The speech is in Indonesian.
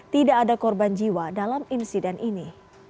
tidak ada korban jiwa dalam insiden ini